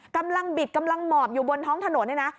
กำลังบิดกำลังหมอบอยู่บนท้องถนนเนี่ยนะ